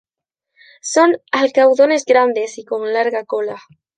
Son alcaudones grandes y con larga cola.